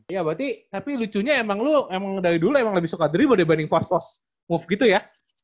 ya berarti tapi lucunya emang lu emang dari dulu emang lebih suka drive dibanding pos pos move gitu ya